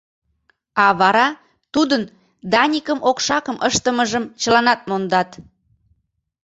А вара тудын Даникым окшакым ыштымыжым чыланат мондат.